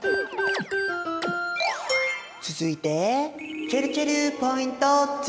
続いてちぇるちぇるポイント２！